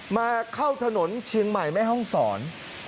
มาเข้าถนนเชียงใหม่แม่ห้องศร